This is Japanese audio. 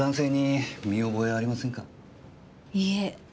いいえ。